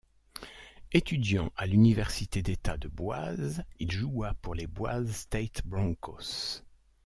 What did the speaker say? Étudiant à l'Université d'État de Boise, il joua pour les Boise State Broncos.